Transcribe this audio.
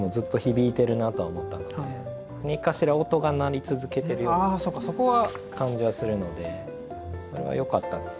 何かしら音が鳴り続けてるような感じはするのでそれはよかった。